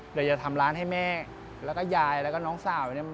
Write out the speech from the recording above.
เดี๋ยวจะทำร้านให้แม่แล้วก็ยายแล้วก็น้องสาวเนี่ย